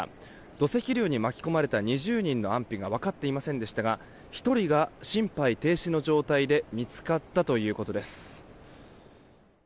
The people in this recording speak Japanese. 土石流に巻き込まれた２０人の安否が分かっていませんでしたが１人が、心肺停止の状態で見つかったということです。